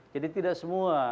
jadi tidak semua